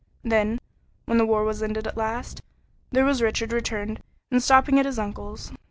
Then, when the war was ended at last, there was Richard returned and stopping at his uncle's.